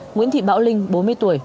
nguyễn thị bảo linh bốn mươi tuổi